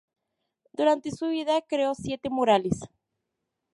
Durante su vida creó siete murales.